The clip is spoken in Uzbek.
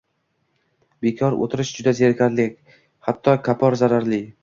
Bekor o‘tirish juda zerikarli, hatto kapor zararli